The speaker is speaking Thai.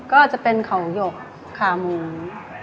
ก็จะเป็นเขาหยกขามูมันถูก